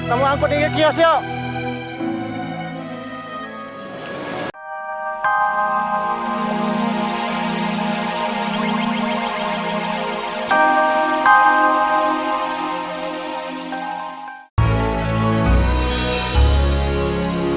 kamu angkutin ke kiosk yuk